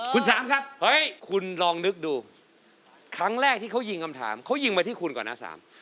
คุณสามครับเฮ้ยคุณลองนึกดูครั้งแรกที่เขายิงคำถามเขายิงมาที่คุณก่อนนะสาม